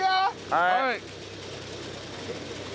はい。